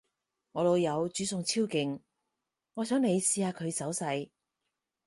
我老友煮餸超勁，我想你試下佢手勢